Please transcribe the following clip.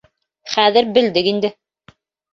— Хәҙер белдек инде.